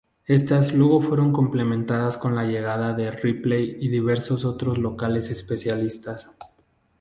Estas luego fueron complementadas con la llegada de Ripley y diversos otros locales especialistas.